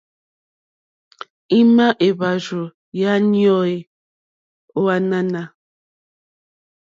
Ima èhvàrzù ya nyoò e ò ànànà?